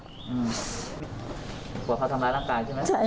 กลัวเขาทำร้ายร่างกายใช่ไหม